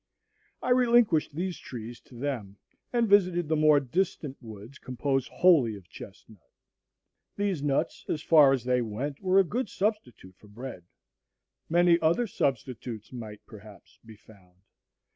I relinquished these trees to them and visited the more distant woods composed wholly of chestnut. These nuts, as far as they went, were a good substitute for bread. Many other substitutes might, perhaps, be found.